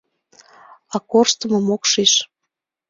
А корштымым ом шиж.